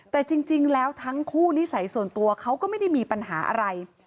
แต่จริงแล้วทั้งคู่นิสัยส่วนตัวเขาก็ไม่ได้มีปัญหาอะไร